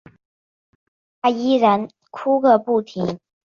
整个下午她依然哭个不停